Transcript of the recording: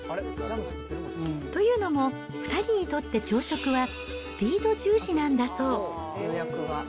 というのも、２人にとって朝食はスピード重視なんだそう。